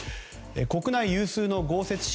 国内有数の豪雪地